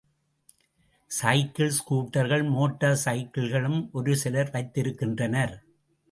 Cycle, ஸ்கூட்டர்கள், motor சைக்கிள்களும் ஒரு சிலர் வைத்திருக்கின்றனர்.